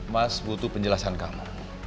mas butuh penjelasan kamu